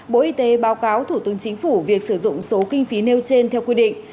bộ y tế báo cáo thủ tướng chính phủ việc sử dụng số kinh phí nêu trên theo quy định